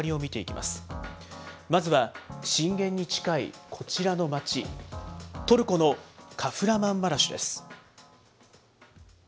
まずは震源に近いこちらの街、トルコのカフラマンマラシュです。